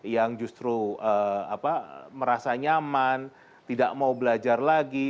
yang justru merasa nyaman tidak mau belajar lagi